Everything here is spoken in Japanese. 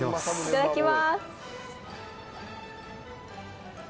いただきます。